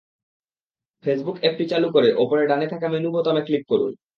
Facebook অ্যাপটি চালু করে ওপরে ডানে থাকা মেনু বোতামে ক্লিক করুন।